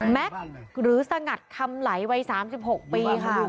แม็กซ์หรือสงัดคำไหลวัย๓๖ปีค่ะ